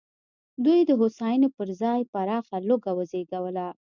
دوی د هوساینې پر ځای پراخه لوږه وزېږوله.